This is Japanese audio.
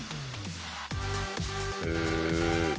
へえ。